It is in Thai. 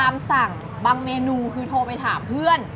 สั่งบางเมนูคือโทรไปถามเพื่อน